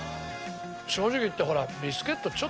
正直言ってほらビスケット